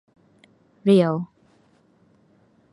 เรียล